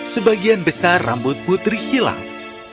sebagian besar rambut putri hilang